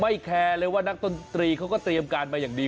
แคร์เลยว่านักดนตรีเขาก็เตรียมการมาอย่างดี